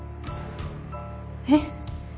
えっ？